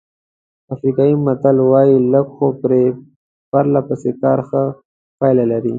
افریقایي متل وایي لږ خو پرله پسې کار ښه پایله لري.